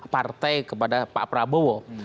partai kepada pak prabowo